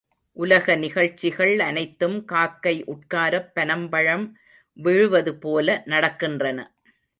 உலக நிகழ்ச்சிகள் அனைத்தும் காக்கை உட்காரப் பனம்பழம் விழுவதுபோல நடக்கின்றன.